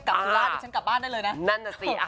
กับธุราชอย่างฉันกลับบ้านได้เลยนะ